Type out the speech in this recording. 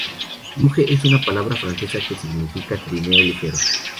Luge es una palabra francesa que significa "trineo ligero".